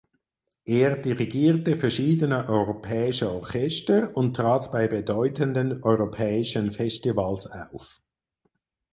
Er dirigierte verschiedene europäische Orchester und trat bei bedeutenden europäischen Festivals auf.